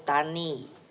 untuk para pak tani